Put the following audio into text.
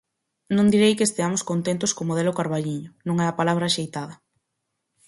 Non direi que esteamos contentos co modelo Carballiño, non é a palabra axeitada.